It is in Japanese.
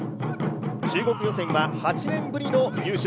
中国予選は８年ぶりの優勝。